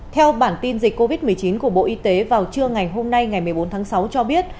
theo bản tin dịch covid một mươi chín của bộ y tế vào trưa ngày hôm nay ngày một mươi bốn tháng sáu cho biết